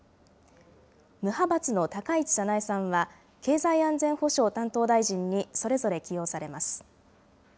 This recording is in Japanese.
無派閥の高市早苗さんは、経済安全保障担当大臣にそれぞれ起用されます。